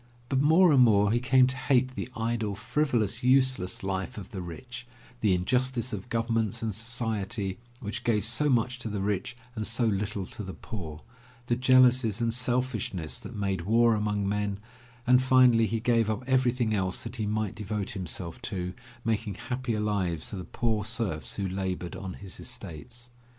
But more and more he came to hate the idle, frivolous, useless life of the rich, the injustice of governments and society which gave so much to the rich and so little to the poor, the jealousies and selfishness that made war among men, and finally he gave up everything else that he might devote himself to making happier lives for the poor serfs who labored on his estates.